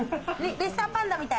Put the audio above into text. レッサーパンダみたい。